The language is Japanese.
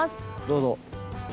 どうぞ。